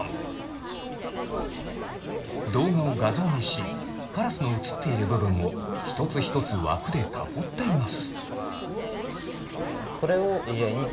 動画を画像にしカラスの写っている部分を一つ一つ枠で囲っています。